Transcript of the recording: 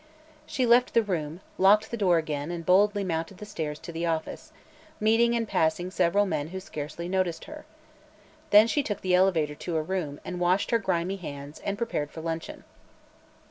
She left the room, locked the door again and boldly mounted the stairs to the office, meeting and passing several men who scarcely noticed her. Then she took the elevator to her room and washed her grimy hands and prepared for luncheon.